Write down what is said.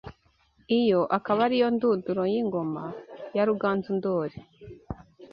Iyo akaba ariyo ndunduro y’Ingoma ya Ruganzu Ndoli